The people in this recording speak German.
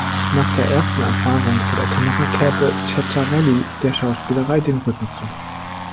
Nach der ersten Erfahrung vor der Kamera kehrte Ceccarelli der Schauspielerei den Rücken zu.